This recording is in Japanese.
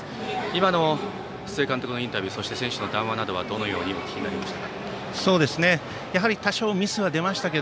今の須江監督のインタビューそして選手の談話などはどのようにお聞きになりましたか。